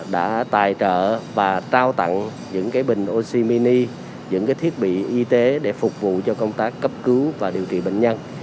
đã tài trợ và trao tặng những bình oxy mini những thiết bị y tế để phục vụ cho công tác cấp cứu và điều trị bệnh nhân